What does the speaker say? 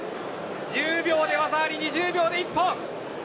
１０秒で技あり２０秒で一本です。